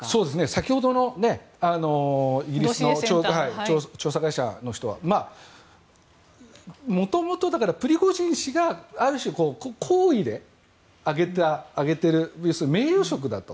先ほどのイギリスの調査会社の人はもともとプリゴジン氏がある種、厚意で上げている要するに名誉職だと。